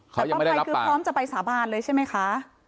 แต่ป้าภัยคือพร้อมจะไปสาบานเลยใช่ไหมคะ